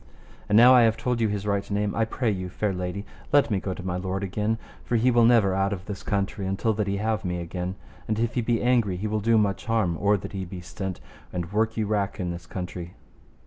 And now I have told you his right name, I pray you, fair lady, let me go to my lord again, for he will never out of this country until that he have me again. And if he be angry he will do much harm or that he be stint, and work you wrack in this country.